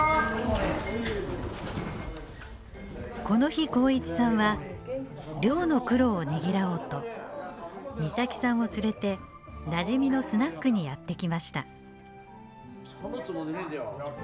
この日幸一さんは漁の苦労をねぎらおうと岬さんを連れてなじみのスナックにやって来ました。